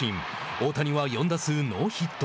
大谷は４打数ノーヒット。